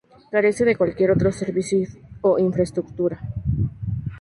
Carece de cualquier otro servicio o infraestructura.